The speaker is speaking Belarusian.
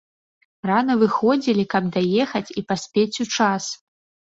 Рана выходзілі, каб даехаць і паспець у час.